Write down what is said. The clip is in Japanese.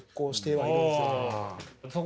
はい。